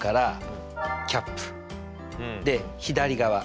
で左側。